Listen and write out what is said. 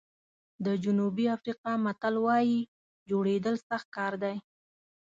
د جنوبي افریقا متل وایي جوړېدل سخت کار دی.